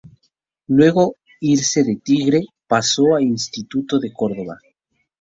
Luego irse de Tigre pasó a Instituto de Córdoba.